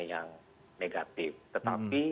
yang negatif tetapi